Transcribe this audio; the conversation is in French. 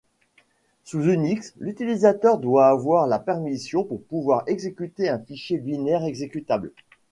Sous Unix, l'utilisateur doit avoir la permission pour pouvoir exécuter un fichier binaire exécutable.